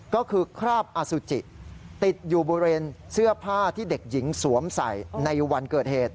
ก็คือคราบอสุจิติดอยู่บริเวณเสื้อผ้าที่เด็กหญิงสวมใส่ในวันเกิดเหตุ